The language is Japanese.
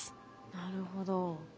なるほど。